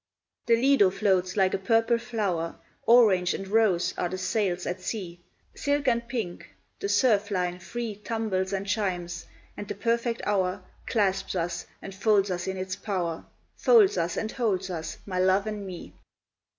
The Lido floats like a purple flower; Orange and rose are the sails at sea; Silk and pink the surf line free Tumbles and chimes, and the perfect hour Clasps us and folds us in its power, Folds us and holds us, my love and me.